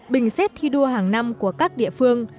bình xét thi đua hàng năm của các địa phương